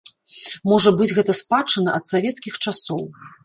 Можа быць гэта спадчына ад савецкіх часоў.